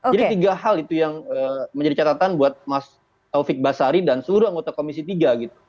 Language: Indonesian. jadi tiga hal itu yang menjadi catatan buat mas taufik basari dan seluruh anggota komisi tiga